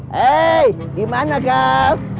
hei dimana kau